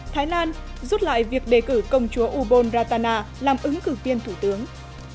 thái lan rút lại việc đề cử công chúa ubon ratana làm ứng cử viên thủ tướng